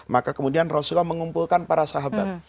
maka kemudian rasulullah mengumpulkan para sahabat